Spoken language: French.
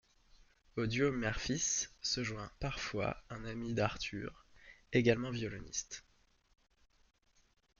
Au duo mère-fils, se joint parfois un ami d'Arthur, également violoniste.